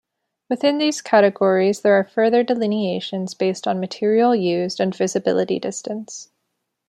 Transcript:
Within these categories there are further delineations based on material used and visibility distance.